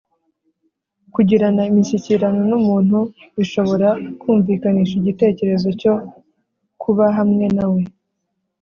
kugirana imishyikirano n’umuntu bishobora kumvikanisha igitekerezo cyo kuba hamwe na we